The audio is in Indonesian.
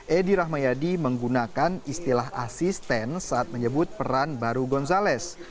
edi rahmayadi menggunakan istilah asisten saat menyebut peran baru gonzalez